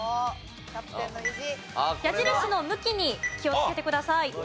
矢印の向きに気をつけてください。